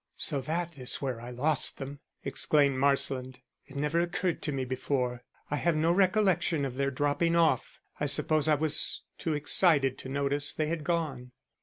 "So that is where I lost them!" exclaimed Marsland. "It never occurred to me before. I have no recollection of their dropping off I suppose I was too excited to notice they had gone."